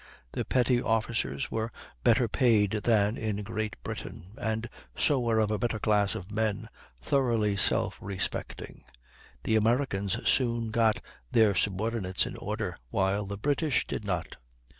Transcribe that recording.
The petty officers were better paid than in Great Britain, and so were of a better class of men, thoroughly self respecting; the Americans soon got their subordinates in order, while the British did not.